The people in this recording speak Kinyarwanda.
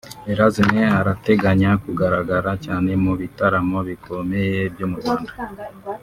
Erasm arateganya kugaragara cyane mu bitaramo bikomeye byo mu Rwanda